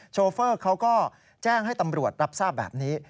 โชเฟอร์เขาก็แจ้งให้ตำรวจรับทราบแบบนี้